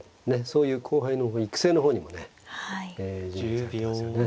そういう後輩の育成の方にもね尽力されてますよね。